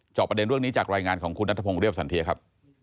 ประเด็นเรื่องนี้จากรายงานของคุณนัทพงศ์เรียบสันเทียครับ